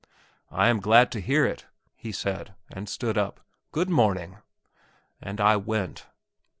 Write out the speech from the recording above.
"I am glad to hear it," he said, and he stood up. "Good morning." And I went!